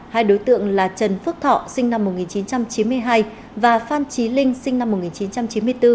hai đối tượng là trần phước thọ sinh năm một nghìn chín trăm chín mươi hai và phan trí linh sinh năm một nghìn chín trăm chín mươi bốn